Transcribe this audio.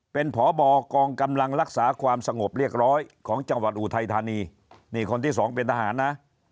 เป็นพบกองกำลังรักษาความสงบเรียบร้อยของจังหวัดอุทัยธานีนี่คนที่สองเป็นทหารนะ